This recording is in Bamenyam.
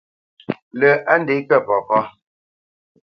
Lə́ á ndě kə̂ papá ?